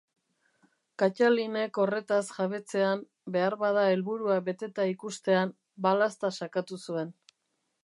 Kattalinek horretaz jabetzean, beharbada helburua beteta ikustean, balazta sakatu zuen.